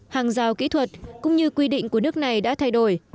hàng rào kỹ thuật cũng như quy định của nước này đã thay đổi